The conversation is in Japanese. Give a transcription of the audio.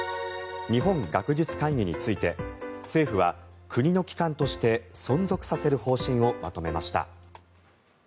日本学術会議について政府は国の機関として存続させる方針をまとめました。